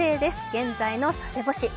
現在の佐世保市。